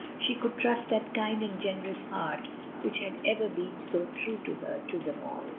She could trust that kind and generous heart which had ever been so true to her, to them all.